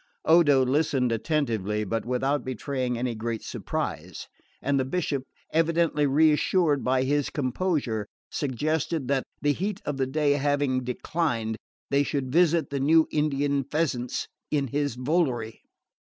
Odo listened attentively, but without betraying any great surprise; and the Bishop, evidently reassured by his composure, suggested that, the heat of the day having declined, they should visit the new Indian pheasants in his volary.